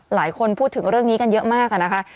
หลายคนพูดถึงเรื่องนี้กันเยอะมากนะคะ